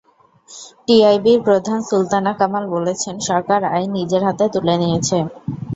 টিআইবির প্রধান সুলতানা কামাল বলেছেন, সরকার আইন নিজের হাতে তুলে নিয়েছে।